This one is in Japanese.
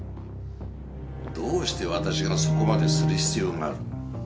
どうして私がそこまでする必要がある？